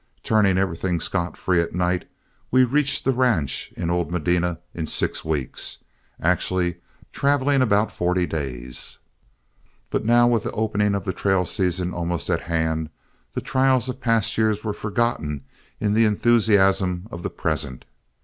Turning everything scot free at night, we reached the ranch in old Medina in six weeks, actually traveling about forty days. But now, with the opening of the trail season almost at hand, the trials of past years were forgotten in the enthusiasm of the present.